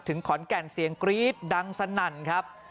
ขอนแก่นเสียงกรี๊ดดังสนั่นครับ